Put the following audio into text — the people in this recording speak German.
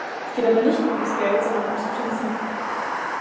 Es geht aber nicht nur ums Geld, sondern ums Prinzip.